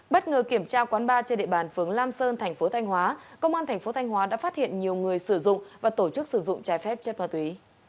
bất ngờ kiểm tra quán ba trên địa bàn phướng lam sơn thành phố thanh hóa công an thành phố thanh hóa đã phát hiện nhiều người sử dụng và tổ chức sử dụng trái phép chất ma túy